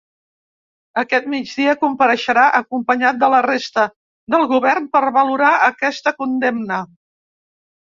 Aquest migdia, compareixerà acompanyat de la resta del govern per valorar aquesta condemna.